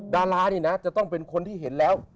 ดารานี่นะจะต้องเป็นคนที่เห็นแล้ว